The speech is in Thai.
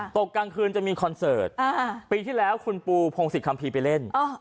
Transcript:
กลางคืนจะมีคอนเสิร์ตปีที่แล้วคุณปูพงศิษยคัมภีร์ไปเล่น